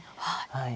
はい。